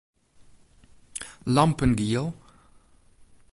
Lampen giel.